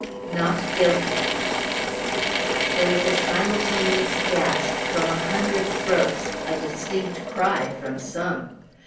"Not guilty." There was a simultaneous gasp from a hundred throats a distinct cry from some.